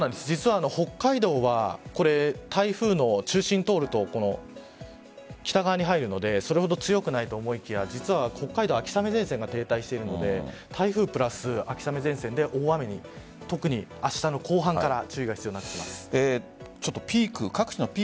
北海道は台風の中心を通ると北側に入るのでそれほど強くないと思いきや実は北海道は秋雨前線が停滞してるので台風プラス秋雨前線で大雨に特に明日の後半から注意が必要になってきます。